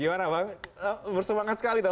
gimana bang bersemangat sekali